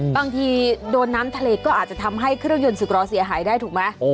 บางทีโดนน้ำทะเลก็อาจจะทำให้เครื่องยนต์สึกรอเสียหายได้ถูกไหม